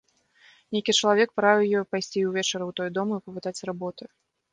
Нейкі чалавек параіў ёй пайсці ўвечары ў той дом і папытаць работы.